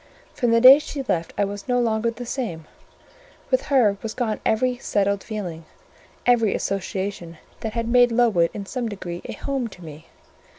From the day she left I was no longer the same: with her was gone every settled feeling, every association that had made Lowood in some degree a home to me.